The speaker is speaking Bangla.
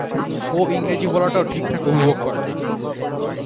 ও ইংরেজি বলাটাও ঠিকঠাক উপভোগ করে না।